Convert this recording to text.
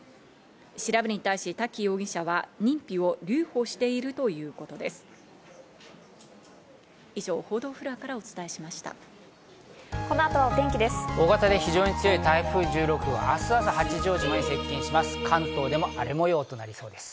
調べに対し滝容疑者は認否を留保しているということです。